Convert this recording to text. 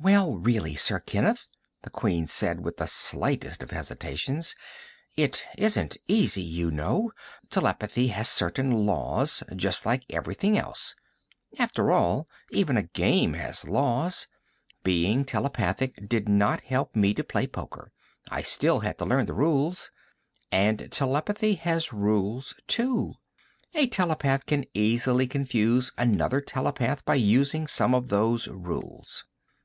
"Well, really, Sir Kenneth," the Queen said with the slightest of hesitations, "it isn't easy, you know. Telepathy has certain laws, just like everything else. After all, even a game has laws. Being telepathic did not help me to play poker I still had to learn the rules. And telepathy has rules, too. A telepath can easily confuse another telepath by using some of those rules."